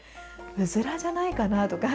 うずらじゃないかなとか。